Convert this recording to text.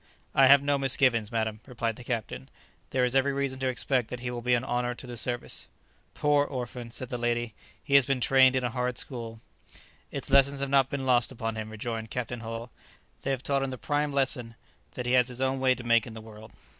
"I have no misgivings, madam," replied the captain; "there is every reason to expect that he will be an honour to the service." "Poor orphan!" said the lady; "he has been trained in a hard school." "Its lessons have not been lost upon him," rejoined Captain Hull; "they have taught him the prime lesson that he has his own way to make in the world."